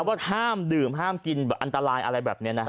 ว่าห้ามดื่มห้ามกินแบบอันตรายอะไรแบบนี้นะฮะ